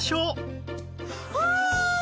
ああ！